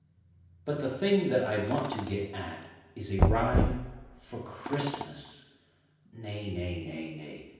But the thing that I want to get at Is a rhyme for Christmas Nay! nay! nay! nay!